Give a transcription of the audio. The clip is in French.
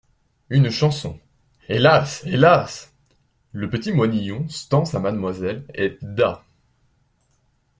Une Chanson : «Hélas ! Hélas !…» Le petit moinillon, stances à Mademoiselle est d'A.